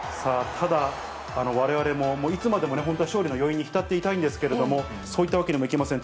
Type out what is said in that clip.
ただ、われわれもいつまでも本当は勝利の余韻に浸っていたいんですけれども、そういったわけにもいきません。